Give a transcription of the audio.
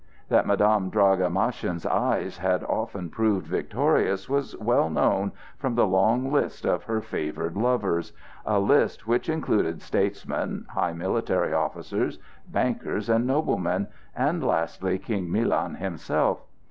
That Madame Draga Maschin's eyes had often proved victorious was well known from the long list of her favored lovers,—a list which included statesmen, high military officers, bankers, and noblemen, and lastly, King Milan himself.